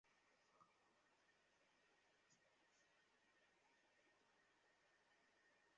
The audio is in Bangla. কিন্তু ব্যবস্থাপনা পরিচালক আবারও পরিচালনা পর্ষদকে এড়িয়ে জাপানি পরামর্শকের মতামত চান।